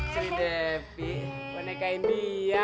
sedevi boneka india